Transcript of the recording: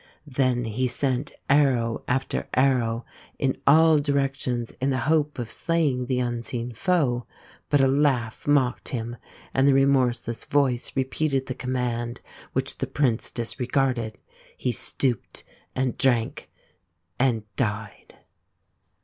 Then he sent arrow after arrow in all directions in the hope of slaying the unseen foe ; but a laugh mocked him and the remorseless Voice repeated the command, which the Prince disregarded ; he stooped, and drank, and died.